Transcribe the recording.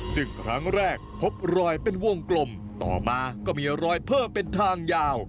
ซึ่งครั้งแรกพบรอยเป็นวงกลมต่อมาก็มีรอยเพิ่มเป็นทางยาว